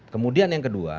kemudian yang kedua